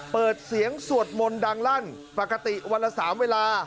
เปิดเสียงสวดมนต์ดังลั่นปกติวันละ๓เวลา